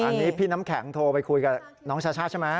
อันนี้พี่น้ำแข็งโทรไปคุยกับน้องชาช่าใช่ไหม